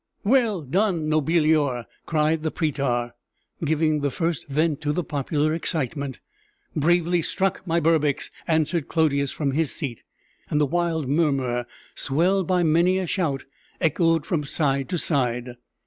"Well done, Nobilior!" cried the prætor, giving the first vent to the popular excitement. "Bravely struck, my Berbix!" answered Clodius from his seat. And the wild murmur, swelled by many a shout, echoed from side to side.